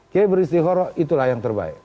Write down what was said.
kiai beristiqoroh itulah yang terbaik